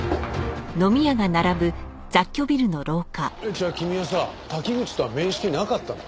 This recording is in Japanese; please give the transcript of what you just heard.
じゃあ君はさ滝口とは面識なかったの？